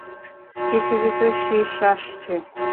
কিছু-কিছু শীষ আসছে।